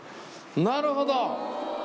なるほど。